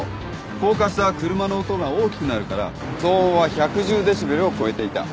高架下は車の音が大きくなるから騒音は１１０デシベルを超えていた。